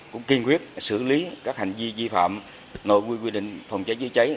cũng kiên quyết xử lý các hành vi vi phạm nội quy định phòng cháy chế cháy